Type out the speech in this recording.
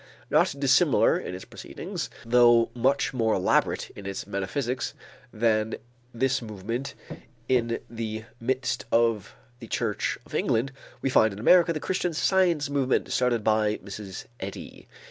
Not dissimilar in its proceedings, though much more elaborate in its metaphysics than this movement in the midst of the Church of England, we find in America the Christian Science movement started by Mrs. Eddy.